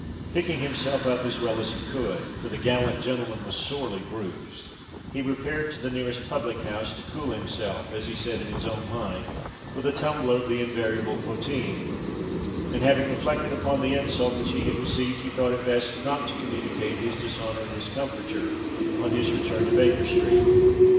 Picking himself up as well as he could—for the gallant gentleman was sorely bruised—he repaired to the nearest public house, to "cool himself," as he said in his own mind, with a tumbler of the invariable poteen; and, having reflected upon the insult which he had received, he thought it best not to communicate his dishonour and discomfiture on his return to Baker Street.